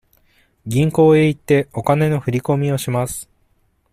銀行へ行って、お金の振り込みをします。